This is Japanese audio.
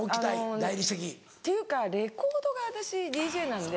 大理石。っていうかレコードが私ＤＪなんで。